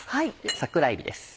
桜えびです。